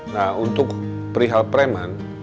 nah untuk perihal preman